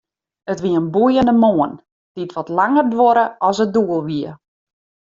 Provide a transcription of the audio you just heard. It wie in boeiende moarn, dy't wat langer duorre as it doel wie.